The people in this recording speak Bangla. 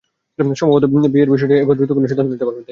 সম্ভবত বিয়ের বিষয়টি নিয়ে এবার দ্রুত কোনো সিদ্ধান্ত নিতে পারেন তিনি।